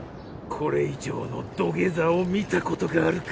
これ以上の土下座を見たことがあるか？